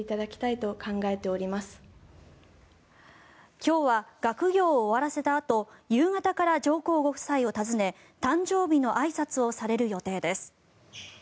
今日は学業を終わらせたあと夕方から上皇ご夫妻を訪ね誕生日のあいさつをされる予定です。